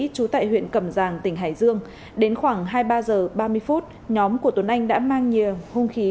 trú tại huyện cẩm giang tỉnh hải dương đến khoảng hai mươi ba h ba mươi phút nhóm của tuấn anh đã mang nhiều hung khí